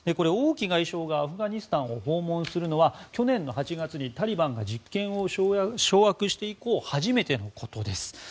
王毅外相がアフガニスタンを訪問するのは去年の８月にタリバンが実権を掌握して以降初めてのことです。